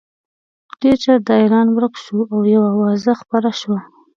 ډېر ژر دا اعلان ورک شو او یوه اوازه خپره شوه.